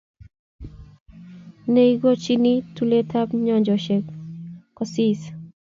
Nei kochini tuletab nyanjoshiek kosis